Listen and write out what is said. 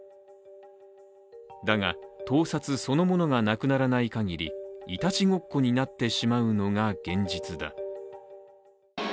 だが、盗撮そのものがなくならないかぎり、いたちごっこになってしまうのが現実だ。